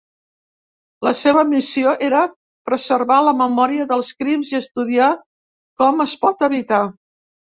La seva missió és preservar la memòria dels crims i estudiar com es pot evitar.